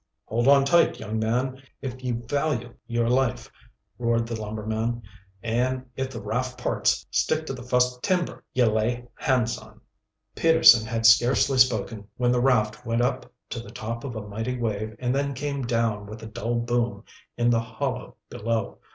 "Hold on tight, young man, if ye value your life!" roared the lumberman. "An' if the raft parts, stick to the fust timber ye lay hands on." Peterson had scarcely spoken when the raft went up to the top of a mighty wave and then came down with a dull boom in the hollow below.